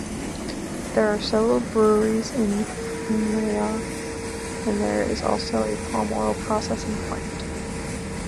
There are several breweries in Umuahia, and there is also a palm-oil-processing plant.